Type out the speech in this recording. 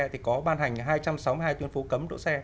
thì có ban hành hai trăm sáu mươi hai tuyến phố cấm đỗ xe